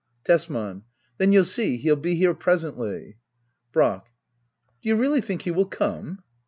Tesman, Then you'll see he'll be here presently. Brack. Do you really think he will come